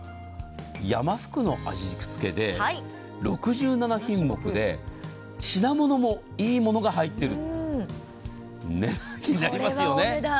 山福の味付けで６７品目で品物もいいものが入っている。